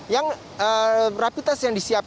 yang rapi tes yang disiapkan